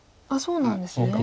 そうなんですね。